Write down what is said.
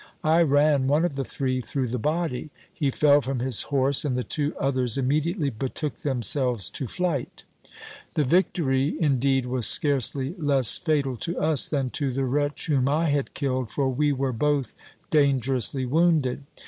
I ran one of the three through the body ; he fell from his horse, and the two others immediately betook themselves to flight. The victory indeed was scarcely less fatal to us than to the wretch whom I had killed, for we were both dangerously wounded.